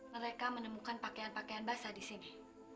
mereka menemukan pakaian pakaian basah disini